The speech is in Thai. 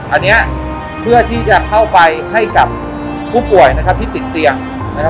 อันนี้เพื่อที่จะเข้าไปให้กับผู้ป่วยนะครับที่ติดเตียงนะครับ